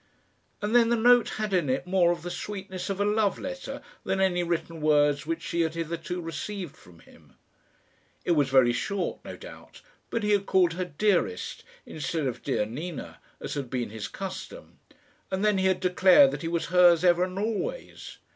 And then the note had in it more of the sweetness of a love letter than any written words which she had hitherto received from him. It was very short, no doubt, but he had called her "Dearest," instead of "Dear Nina," as had been his custom, and then he had declared that he was hers ever and always.